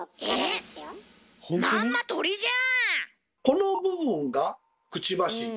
この部分が「くちばし」